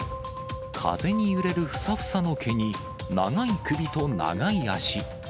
風に揺れるふさふさの毛に、長い首と長い足。